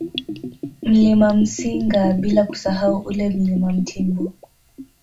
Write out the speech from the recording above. Mlima Msinga bila kusahau ule Mlima Mtimbo